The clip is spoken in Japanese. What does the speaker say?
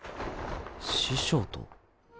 師匠と？